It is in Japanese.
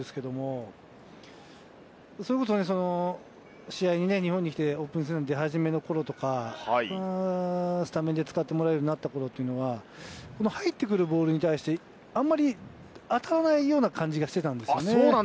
それこそ日本に来てオープン戦出初めの頃とか、スタメンで使ってもらえるようになった頃っていうのは、入ってくるボールに対して、あんまり当たらないような感じがしてたんですよね。